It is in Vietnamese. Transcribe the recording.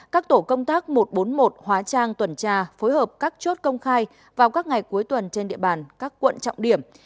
các tổ công tác một trăm bốn mươi một hóa trang tuần tra phối hợp các chốt công khai vào các ngày cuối tuần trên địa bàn các quận trọng điểm